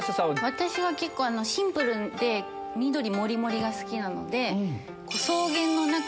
私は結構シンプルで緑盛り盛りが好きなので。